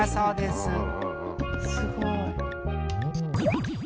すごい。